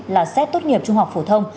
là xét tốt nghiệp trung học phổ thông